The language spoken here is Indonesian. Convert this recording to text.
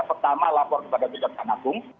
pertama lapor kepada tugas anakung